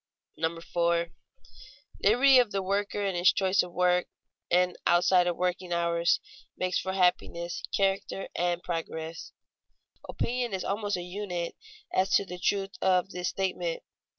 [Sidenote: Large liberty of the wage worker] 4. Liberty of the worker in his choice of work and outside of working hours makes for happiness, character, and progress. Opinion is almost a unit as to the truth of this statement.